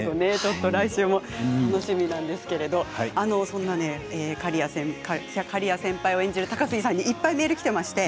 来週も楽しみなんですけれどそんな刈谷先輩を演じる高杉さんにいっぱいメールがきています。